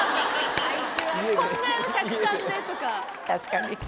確かに。